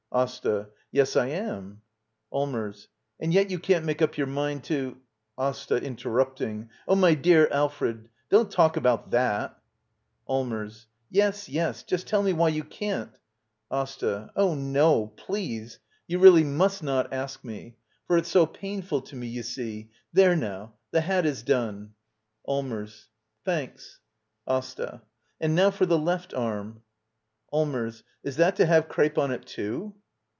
AsTA. Yes, I am. Allmers. And yet you can't make up your ' inind to —? Asta. [Interrupting.] Oh, my dear Alfred, don't talk about that/ Allmers. Yes, yes; — just tell me why you can't — Asta. Oh| no! Please! You really must not Digitized by VjOOQIC Actn. «s LITTLE EYOLF ask mc. For it's so painful to me, you see — There now I The hat is done. Allmers. Thanks. AsTA. And now for the left arm. Allmers. Is that to have crepe on it, too?